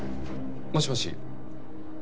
もしもし。